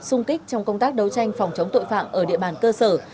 xung kích trong công tác đấu tranh phòng chống tội phạm ở địa bàn cơ sở